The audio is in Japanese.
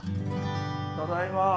ただいま。